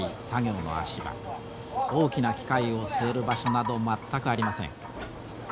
大きな機械を据える場所などまったくありません。